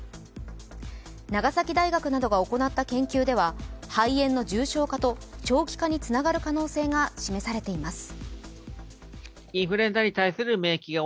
長崎大学などが行った研究では肺炎の重症化と長期化につながる可能性が示されています。